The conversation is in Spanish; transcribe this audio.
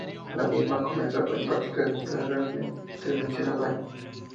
La misma comenzó a impartir clases en febrero del mencionado año.